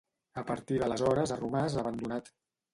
A partir d'aleshores ha romàs abandonat.